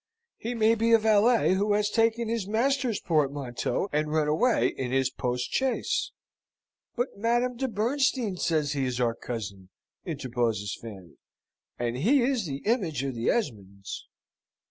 He may be a valet who has taken his master's portmanteau, and run away in his postchaise." "But Madame de Bernstein says he is our cousin," interposes Fanny; "and he is the image of the Esmonds."